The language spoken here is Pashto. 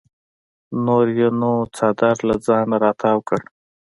نور یې نو څادر له ځانه راتاو کړ.